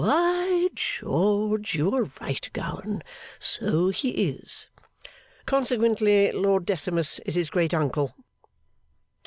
'By George, you are right, Gowan. So he is.' 'Consequently, Lord Decimus is his great uncle.